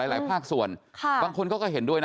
แต่ว่าถ้ามุมมองในทางการรักษาก็ดีค่ะ